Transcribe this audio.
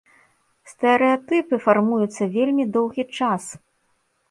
Стэрэатыпы фармуюцца вельмі доўгі час.